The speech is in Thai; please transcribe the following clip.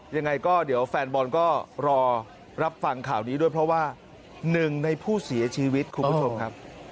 ยังไงก็เดี๋ยวแฟนบอลก็รอรับฟังข่าวนี้ด้วยเพราะว่าหนึ่งในผู้เสียชีวิตคุณผู้ชมครับ